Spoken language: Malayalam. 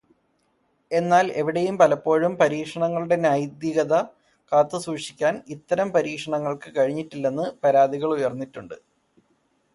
എന്നാൽ, ഇവിടെയും പലപ്പോഴും പരീക്ഷണങ്ങളുടെ നൈതികത കാത്തുസൂക്ഷിക്കാൻ ഇത്തരം പരീക്ഷണങ്ങൾക്ക് കഴിഞ്ഞിട്ടില്ലെന്ന് പരാതികൾ ഉയർന്നിട്ടുണ്ട്.